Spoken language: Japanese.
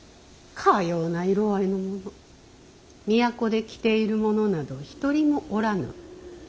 かような色合いのもの都で着ている者など一人もおらぬ。